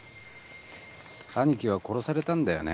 兄貴は殺されたんだよね。